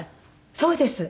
そうです。